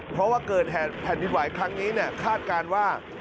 เพราะว่าเกิดแผ่นดินไหวครั้งนี้คาดการณ์ว่า